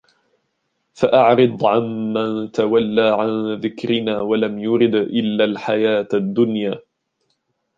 فأعرض عن من تولى عن ذكرنا ولم يرد إلا الحياة الدنيا